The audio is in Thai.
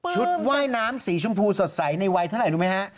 ว่ายน้ำสีชมพูสดใสในวัยเท่าไหร่รู้ไหมฮะ